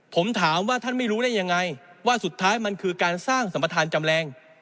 ผมถามว่าท่านไม่รู้ได้ยังไงว่าสุดท้ายมันคือการสร้างสัมประธานจำแรง